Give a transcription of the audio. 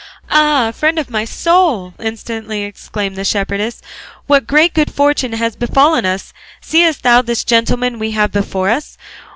"Ah! friend of my soul," instantly exclaimed the other shepherdess, "what great good fortune has befallen us! Seest thou this gentleman we have before us?